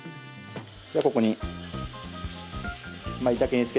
じゃあここに。